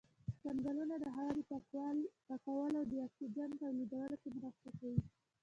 ځنګلونه د هوا د پاکولو او د اکسیجن تولیدولو کې مرسته کوي.